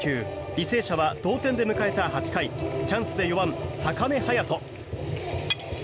履正社は同点で迎えた８回チャンスで４番、坂根葉矢斗。